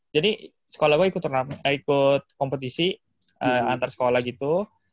jadi sekolah gue ikut kompetisi antar sekolah gitu